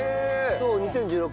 そう２０１６年に。